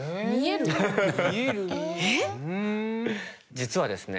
実はですね